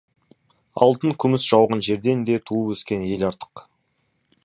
Алтын, күміс жауған жерден де туып-өскен ел артық.